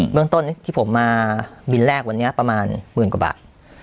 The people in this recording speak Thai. เรื่องต้นที่ผมมาบินแรกวันนี้ประมาณหมื่นกว่าบาท